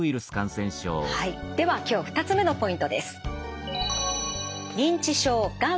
はいでは今日２つ目のポイントです。